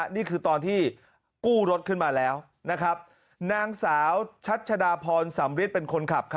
นี่คือตอนที่กู้รถขึ้นมาแล้วนางสาวชัชดาพรสำริทเป็นคนขับ